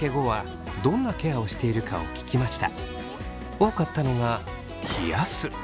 多かったのが冷やす。